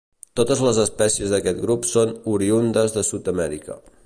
Totes les espècies d'aquest grup són oriündes de Sud-amèrica.